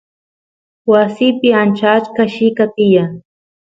wasiypi ancha achka llika tiyan